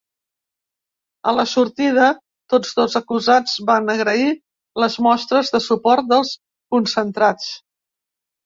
A la sortida, tots dos acusats van agrair les mostres de suport dels concentrats.